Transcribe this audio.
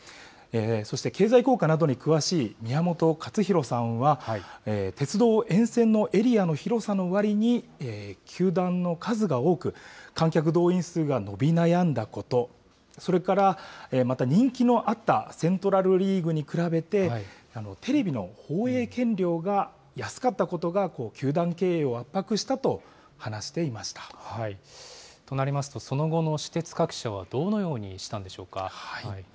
そして、経済効果などに詳しい宮本勝浩さんは、鉄道沿線のエリアの広さのわりに、球団の数が多く、観客動員数が伸び悩んだこと、それからまた人気のあったセントラルリーグに比べて、テレビの放映権料が安かったことが球団経営を圧迫したと話していとなりますと、その後の私鉄各社はどのようにしたんでしょうか。